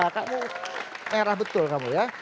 kamu merah betul kamu ya